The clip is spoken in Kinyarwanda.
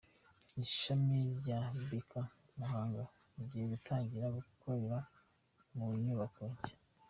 Ishami rya Beka Muhanga rigiye gutangira gukorera mu nyubako nshya